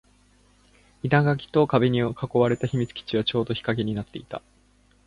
生垣と壁に囲われた秘密基地はちょうど日陰になっていた